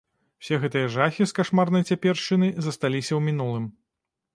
Усе гэтыя жахі з кашмарнай цяпершчыны засталіся ў мінулым.